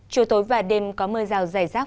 chiều tối và đêm có mưa rào dày rác